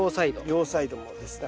両サイドもですね。